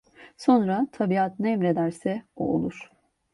Sonra, tabiat ne emrederse, o olur.